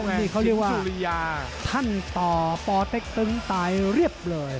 นี่เขาเรียกว่าสุริยาท่านต่อปเต็กตึงตายเรียบเลย